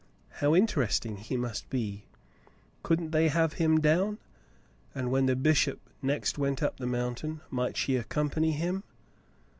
How interesting he must be! Couldn't they have him down ? And when the bishop next went up the mountain, might she accompany him